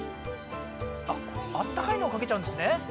あっあったかいのをかけちゃうんですね！